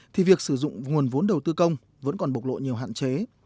thì việc sử dụng nguồn vốn đầu tư công vẫn còn bộc lộ nhiều hạn chế